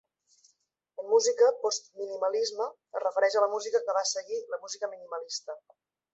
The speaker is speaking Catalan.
En música, "post-minimalisme" es refereix a la música que va seguir la música minimalista.